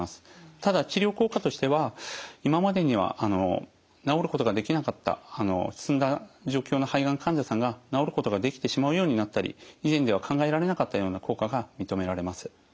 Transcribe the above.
ただ治療効果としては今までには治ることができなかった進んだ状況の肺がん患者さんが治ることができてしまうようになったり以前では考えられなかったような効果が認められます。